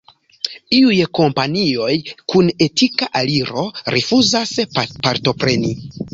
Iuj kompanioj kun etika aliro rifuzas partopreni.